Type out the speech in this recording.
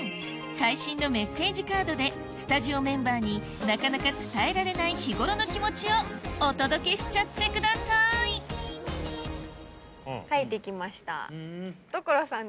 最新のメッセージカードでスタジオメンバーになかなか伝えられない日頃の気持ちをお届けしちゃってください書いてきました。